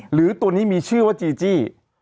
หรือตัวนี้มีชื่อว่าจีจี้